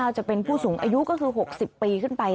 จะเป็นผู้สูงอายุก็คือ๖๐ปีขึ้นไป